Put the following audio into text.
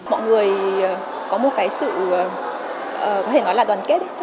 mọi người có một cái sự có thể nói là đoàn kết